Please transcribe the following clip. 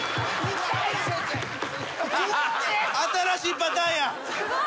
新しいパターンや。